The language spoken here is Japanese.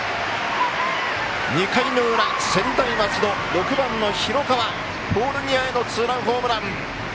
２回の裏、専大松戸６番の広川ポール際のツーランホームラン！